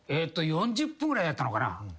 ４０分ぐらいやったのかな。